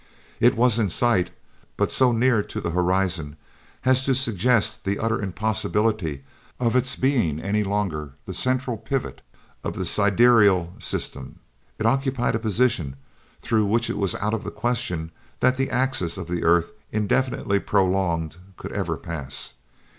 It was in sight, but so near to the horizon as to suggest the utter impossibility of its being any longer the central pivot of the sidereal system; it occupied a position through which it was out of the question that the axis of the earth indefinitely prolonged could ever pass.